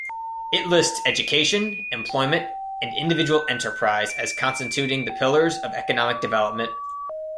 It lists education, employment and individual enterprise as constituting the pillars of economic development.